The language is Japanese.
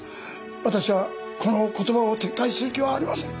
私はこの言葉を撤回する気はありません！